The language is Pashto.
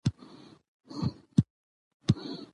چې متن تر اخره پورې ولولي